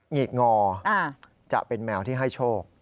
หิกงอจะเป็นแมวที่ให้โชค